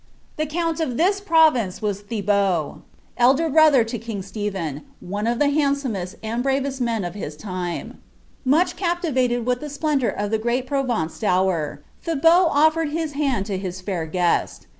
The count of this province was Thibaut, elder brolto ', tn king Stephen, one of the handsomest and bravest men of his tinif. Much captivated with Ihe splendour of "the great Provence dowa,'' ', Thibaut offered his hand to his fair guest.